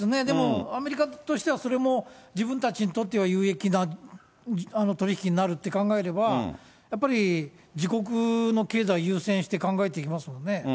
でも、アメリカとしてはそれも自分たちにとっては有益な取り引きになるって考えれば、やっぱり自国の経済優先して考えていきますもんね。